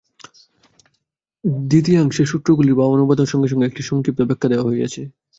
দ্বিতীয়াংশে পতঞ্জলির সূত্রগুলির ভাবানুবাদ ও সঙ্গে সঙ্গে একটি সংক্ষিপ্ত ব্যাখ্যা দেওয়া হইয়াছে।